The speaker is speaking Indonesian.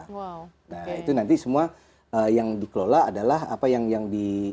nah itu nanti semua yang dikelola adalah apa yang di